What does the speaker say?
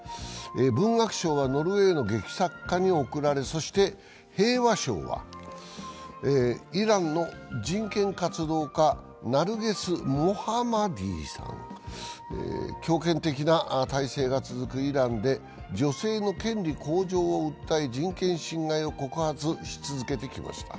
文学賞はノルウェーの劇作家に贈られそして平和賞はイランの人権活動家、ナルゲス・モハマディさん、強権的な体制が続くイランで女性の権利向上を訴え人権侵害を告発し続けてきました。